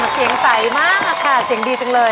เสียงใสมากค่ะเสียงดีจังเลย